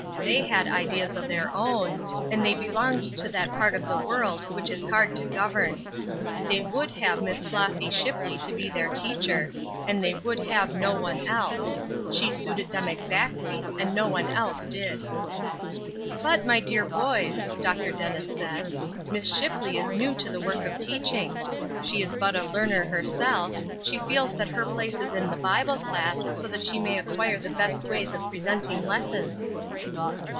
They had ideas of their own, and they belonged to that part of the world which is hard to govern. They would have Miss Flossy Shipley to be their teacher, and they would have no one else; she suited them exactly, and no one else did. "But, my dear boys," Dr. Dennis said, "Miss Shipley is new to the work of teaching; she is but a learner herself; she feels that her place is in the Bible class, so that she may acquire the best ways of presenting lessons."